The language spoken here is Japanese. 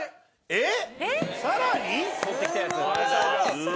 えっ。